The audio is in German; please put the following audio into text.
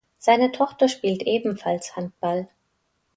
Seine Tochter spielt ebenfalls Handball.